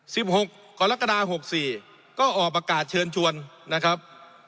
หกกรกฎาหกสี่ก็ออกประกาศเชิญชวนนะครับ